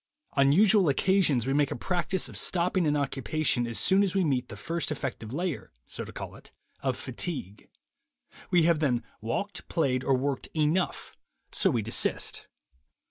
On usual occasions we make a practice of stopping an occupation as soon as we meet the first effective layer (so to call it) of fatigue. We have then walked, played, or worked 'enough,' so we desist.